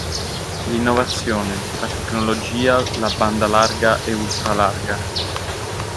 L’innovazione, la tecnologia, la banda larga e ultralarga